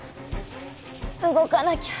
動かなきゃ。